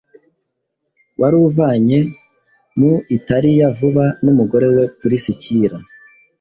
wari uvanye mu Italiya vuba n’umugore we Purisikila.”